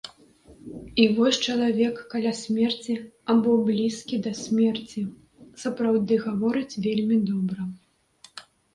І вось чалавек каля смерці або блізкі да смерці сапраўды гаворыць вельмі добра.